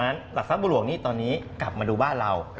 เพราะฉะนั้นลักษณะบัวหลวงนี่ตอนนี้กลับมาดูบ้านเรา